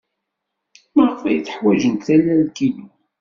Maɣef ay ḥwajent tallalt-inu?